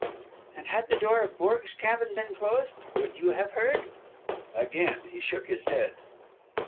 "And had the door of Borg's cabin been closed, would you have heard?" Again he shook his head.